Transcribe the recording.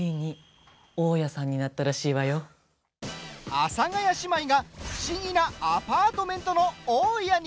阿佐ヶ谷姉妹が不思議なアパートメントの大家に！